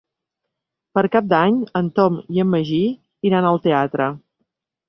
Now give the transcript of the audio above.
Per Cap d'Any en Tom i en Magí iran al teatre.